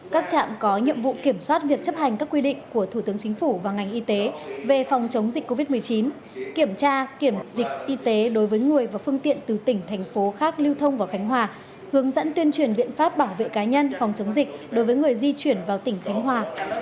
các trạm có nhiệm vụ kiểm soát việc chấp hành các quy định của thủ tướng chính phủ và ngành y tế về phòng chống dịch covid một mươi chín kiểm tra kiểm dịch y tế đối với người và phương tiện từ tỉnh thành phố khác lưu thông vào khánh hòa hướng dẫn tuyên truyền biện pháp bảo vệ cá nhân phòng chống dịch đối với người di chuyển vào tỉnh khánh hòa